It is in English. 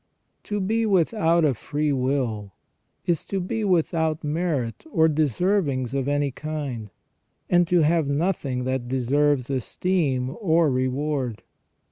To be without a free will is to be without merit or deservings of any kind, and to have nothing that deserves esteem or reward.